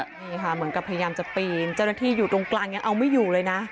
นี่ค่ะเหมือนกับพยายามจะปีนเจ้าหน้าที่อยู่ตรงกลางยังเอาไม่อยู่เลยนะ